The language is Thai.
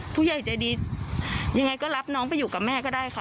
ผู้ใหญ่ใจดียังไงก็รับน้องไปอยู่กับแม่ก็ได้ค่ะ